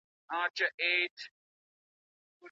دغسي ظالمانه دوستۍ ښې پايلي نه لري.